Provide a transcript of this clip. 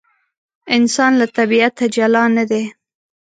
انسان له طبیعته جلا نه دی.